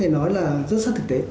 nói là rất sắc thực tế